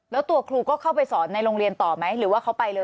แล้วตัวครูก็เข้าไปสอนในโรงเรียนต่อไหมหรือว่าเขาไปเลย